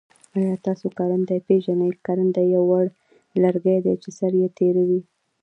آیا تاسو کرندی پیژنی؟ کرندی یو وړ لرګی دی چه سر یي تیره وي.